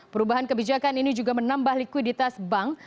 perubahan kebijakan ini juga menambah likuiditas bank